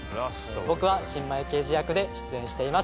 僕は新米刑事役で出演しています